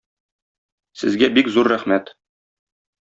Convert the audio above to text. Сезгә бик зур рәхмәт.